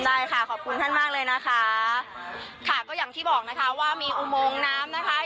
ได้ค่ะขอบคุณท่านมากเลยนะคะค่ะก็อย่างที่บอกนะคะว่ามีอุโมงน้ำนะคะ